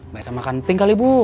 mereka makan pink kali bu